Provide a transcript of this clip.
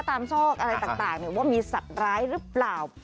ซอกอะไรต่างว่ามีสัตว์ร้ายหรือเปล่า